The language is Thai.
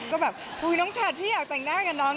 ก็แบบอุ๊ยน้องฉัดพี่อยากแต่งหน้ากับน้อง